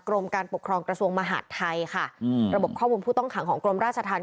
กรมการปกครองกระทรวงมหาดไทยค่ะอืมระบบข้อมูลผู้ต้องขังของกรมราชธรรม